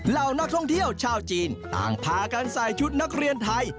เหล่านักท่องเที่ยวชาวจีนต่างพากันใส่ชุดนักเรียนไทย